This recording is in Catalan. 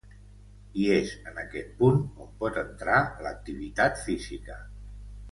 I és en aquest punt on pot entrar l’activitat física.